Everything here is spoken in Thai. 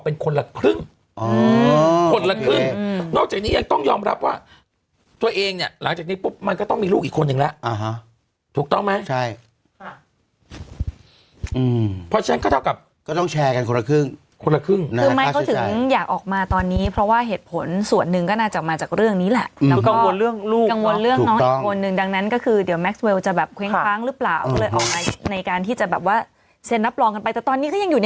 ถูกต้องไหมใช่ค่ะอืมเพราะฉะนั้นก็เท่ากับก็ต้องแชร์กันคนละครึ่งคนละครึ่งคือไม่เขาถึงอยากออกมาตอนนี้เพราะว่าเหตุผลส่วนหนึ่งก็น่าจะมาจากเรื่องนี้แหละแล้วก็กังวลเรื่องลูกกังวลเรื่องน้องอีกคนหนึ่งดังนั้นก็คือเดี๋ยวแม็คเวลจะแบบเค้งค้างหรือเปล่าเลยออกมาในการที่จะแบบว่าเซ็นนับรองกัน